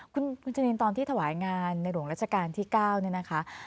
คุณชะนินตอนที่ถวายงานในหลวงราชการที่๙เนี่ยนะคะ